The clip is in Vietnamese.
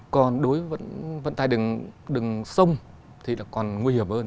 còn đối với vận tài đường sông thì còn nguy hiểm hơn